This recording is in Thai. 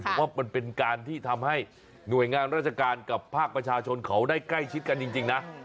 ผมว่ามันเป็นการที่ทำให้หน่วยงานราชการกับภาคประชาชนเขาได้ใกล้ชิดกันจริงนะ